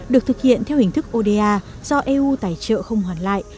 được thực hiện theo hình thức oda do eu tài trợ không hoàn lại